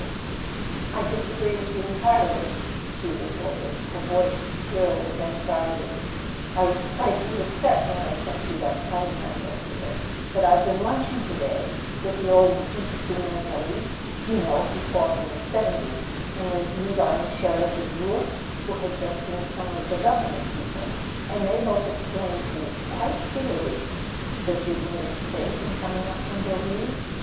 A SON AT THE FRONT "I disagree with you entirely," she retorted, her voice shrill with anxiety. "I was frightfully upset when I sent you that telegram yesterday; but I've been lunching to day with the old Due de Montlhery—you know he fought in 'seventy—and with Levi Michel of the 'Jour,' who had just seen some of the govern¬ ment people; and they both explained to me quite clearly " "That you'd made a mistake in coming up from Deauville